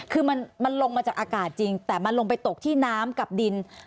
คือมันลงมาจากอากาศจริงแต่มันลงไปตกที่น้ำกับดิน